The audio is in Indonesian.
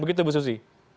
begitu bu susi